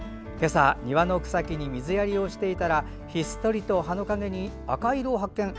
今朝、庭の草木に水やりをしていたらひっそりと葉の影に赤い色を発見。